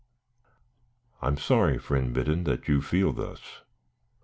"I am sorry, friend Biddon, that you feel thus.